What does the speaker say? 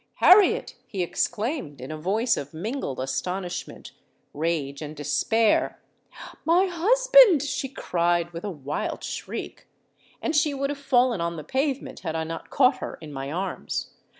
—'Harriet!' he exclaimed, in a voice of mingled astonishment, rage, and despair.—'My husband!' she cried, with a wild shriek; and she would have fallen on the pavement, had I not caught her in my arms.